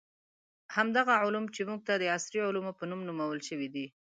همدغه علوم چې موږ ته د عصري علومو په نوم نومول شوي دي.